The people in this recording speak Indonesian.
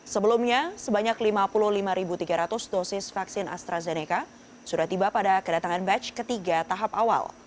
sebelumnya sebanyak lima puluh lima tiga ratus dosis vaksin astrazeneca sudah tiba pada kedatangan batch ketiga tahap awal